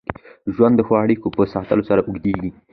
ژوند د ښو اړیکو په ساتلو سره اوږدېږي.